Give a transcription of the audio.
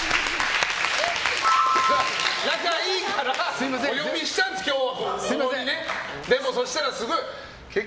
仲いいからお呼びしたんです、今日。